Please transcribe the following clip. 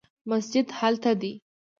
مسجد هلته دی